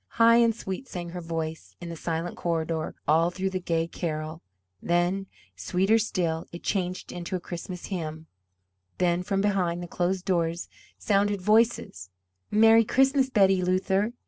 High and sweet sang her voice in the silent corridor all through the gay carol. Then, sweeter still, it changed into a Christmas hymn. Then from behind the closed doors sounded voices: "Merry Christmas, Betty Luther!"